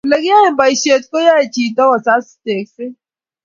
Olkiyae boishet ko yae chito kusas tekset